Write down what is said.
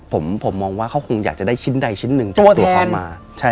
ผมมองว่าเขาคงอยากจะได้ชิ้นใดชิ้นหนึ่งจากตัวเขามา